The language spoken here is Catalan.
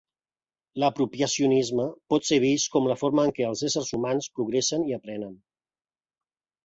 L'apropiacionisme pot ser vist com la forma en què els éssers humans progressen i aprenen.